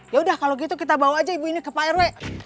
ya udah kalau gitu kita bawa aja ibu ini ke pak rw